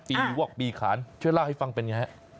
ปีวอกปีขานช่วยล่าให้ฟังเป็นอย่างไร